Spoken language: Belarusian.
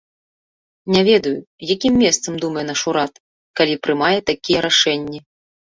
Не ведаю, якім месцам думае наш урад, калі прымае такія рашэнні.